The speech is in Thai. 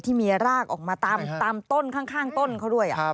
ที่มีรากออกมาตามต้นข้างต้นเขาด้วย